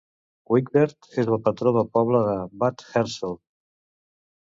Wigbert és el patró del poble de Bad Hersfeld.